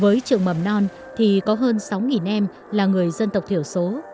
với trường mầm non thì có hơn sáu em là người dân tộc thiểu số